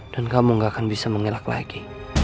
dan kamu gak akan bisa mengelak lagi